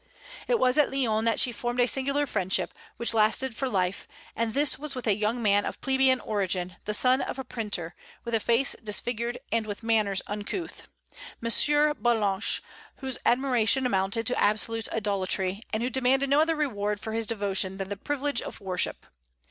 It was at Lyons that she formed a singular friendship, which lasted for life; and this was with a young man of plebeian origin, the son of a printer, with a face disfigured, and with manners uncouth, M. Ballanche, whose admiration amounted to absolute idolatry, and who demanded no other reward for his devotion than the privilege of worship.